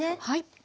はい。